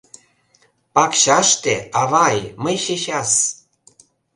— Пакчаште, авай, мый чечас!